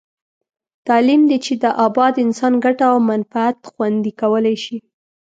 تعلیم دی چې د اباد انسان ګټه او منفعت خوندي کولای شي.